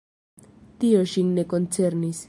Tio ŝin ne koncernis.